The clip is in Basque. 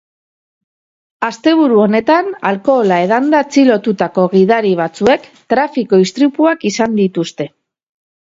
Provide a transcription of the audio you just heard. Asteburu honetan alkohola edanda atxilotutako gidari batzuek trafiko istripuak izan dituzte.